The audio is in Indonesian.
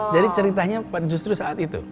jadi ceritanya justru saat itu